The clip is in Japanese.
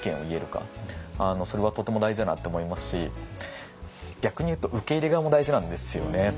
それはとても大事だなって思いますし逆に言うと受け入れ側も大事なんですよね。